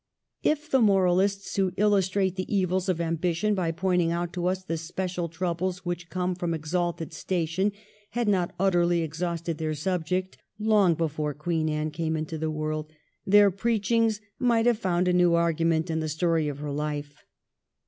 If the moralists who illustrate the evils of ambition by pointing out to us the special troubles which come with exalted station had not utterly exhausted their subject long before Queen Anne came into the world, their preachings might have found a new argument in the story of her life.